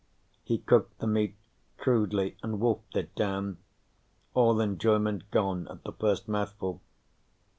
He cooked the meat crudely and wolfed it down, all enjoyment gone at the first mouthful.